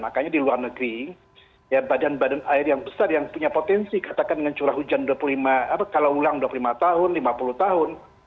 makanya di luar negeri badan badan air yang besar yang punya potensi katakan dengan curah hujan kalau ulang dua puluh lima tahun lima puluh tahun